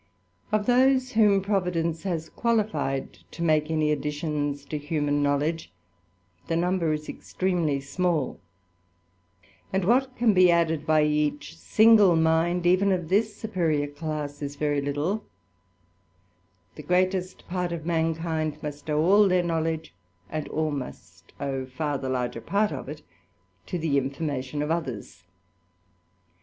Of those whom Providence has qualified to make any Editions to human knowledge, the number is extremely Small ; and what can be added by each single mind, even of this supierior class, is very little : the greatest part of tuankind must owe all their knowledge, and all must owe fer the larger part of it, to the information of others.